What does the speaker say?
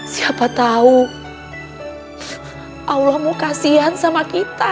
siapa tahu allah mau kasihan sama kita